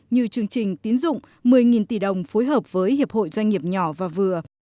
như chương trình tín dụng một mươi tỷ đồng phối hợp với hiệp hội doanh nghiệp nhỏ và vừa